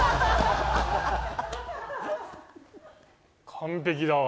完璧だわ。